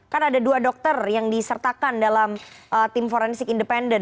kan ada dua dokter yang disertakan dalam tim forensik independen